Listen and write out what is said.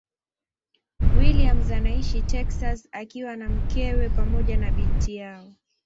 Williams anaishi Texas akiwa na mkewe pamoja na binti yao.